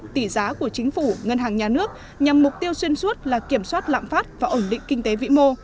tỷ giá của chính phủ ngân hàng nhà nước nhằm mục tiêu xuyên suốt là kiểm soát lạm phát và ổn định kinh tế vĩ mô